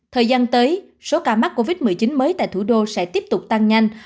thời gian tới số ca mắc covid một mươi chín mới tại thủ đô sẽ tiếp tục tăng nhanh